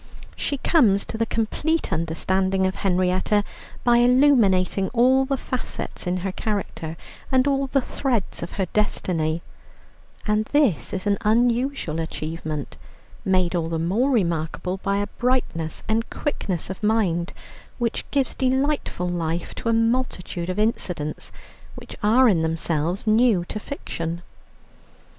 She comes to the complete understanding of Henrietta by illuminating all the facets in her character and all the threads of her destiny, and this is an unusual achievement, made all the more remarkable by a brightness and quickness of mind which give delightful life to a multitude of incidents which are in themselves new to fiction.